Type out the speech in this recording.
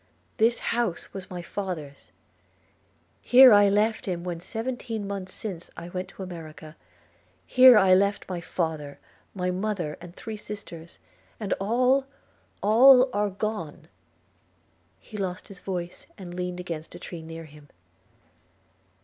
This house was my father's! – Here I left him when seventeen months since I went to America – Here I left my father, my mother, and three sisters – and all, all are gone!' He lost his voice, and leaned against a tree near him.